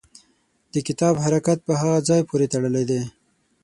د کتاب حرکت په هغه ځای پورې تړلی دی.